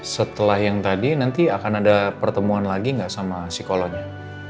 setelah yang tadi nanti akan ada pertemuan lagi nggak sama psikolognya